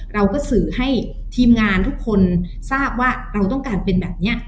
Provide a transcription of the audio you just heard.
เราก็สื่อให้ทีมงานทุกคนทราบว่าเราต้องการเป็นแบบนี้